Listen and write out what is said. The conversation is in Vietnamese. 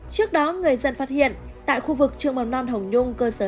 trước đó người dân phát hiện tại khu vực trường mầm non hồng nhung cơ sở